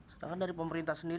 sekarang dari pemerintah sendiri